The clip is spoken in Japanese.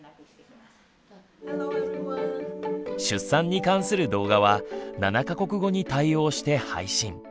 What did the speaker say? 出産に関する動画は７か国語に対応して配信。